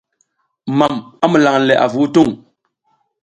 Mam a mulan le avu hutung.